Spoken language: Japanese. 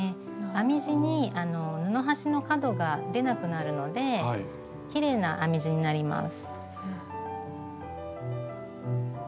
編み地に布端の角が出なくなるのできれいな編み地になります。